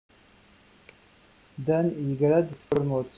Dan yeggra-d deg tkurmut.